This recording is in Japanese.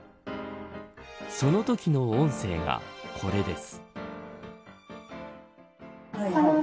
そのときの音声がこれです。